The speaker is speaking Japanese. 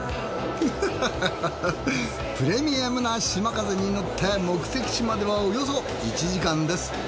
ハハハプレミアムなしまかぜに乗って目的地まではおよそ１時間です。